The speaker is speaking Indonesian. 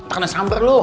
entah kena samper lo